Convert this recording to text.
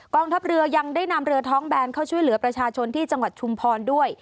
ทัพเรือยังได้นำเรือท้องแบนเข้าช่วยเหลือประชาชนที่จังหวัดชุมพรด้วย